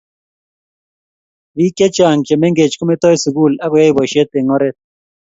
biik chechang chemengech kometoi sugul agiyai boishet eng oret